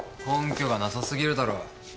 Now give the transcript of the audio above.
根拠がなさすぎるだろ。